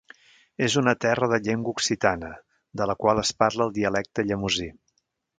És una terra de llengua occitana, de la qual es parla el dialecte llemosí.